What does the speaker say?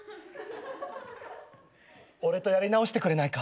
俺とやり直してくれないか？